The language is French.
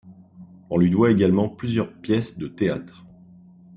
On lui doit également plusieurs pièces de théâtre.